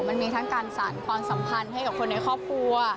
มันมีทั้งการสารความสัมพันธ์ให้กับคนในครอบครัว